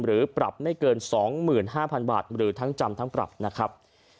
หรือปรับไม่เกิน๒๕๐๐๐บาทหรือทั้งจำทั้งปรับนะครับ